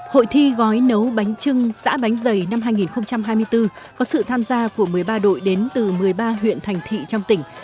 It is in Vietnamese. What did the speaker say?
hội thi gói nấu bánh trưng dạ bánh dày năm hai nghìn hai mươi bốn có sự tham gia của một mươi ba đội đến từ một mươi ba huyện thành thị trong tỉnh